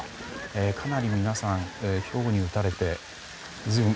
かなり皆さんひょうに打たれて。